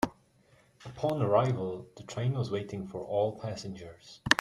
Upon arrival, the train was waiting for all passengers.